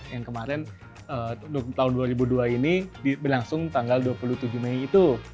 yang kemarin tahun dua ribu dua ini berlangsung tanggal dua puluh tujuh mei itu